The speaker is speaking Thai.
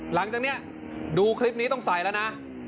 หลังจากนี้ดูคลิปนี้ต้องใส่แล้วนะ